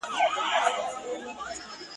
په خپلو کړو به ګاونډي ویاړی !.